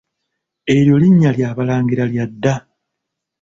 Eryo linnya lya balangira lya dda.